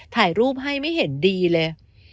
ถ่ายรูปให้ไม่เห็นดีเลย